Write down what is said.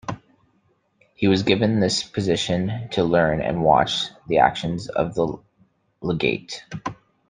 He was given this position to learn and watch the actions of the legate.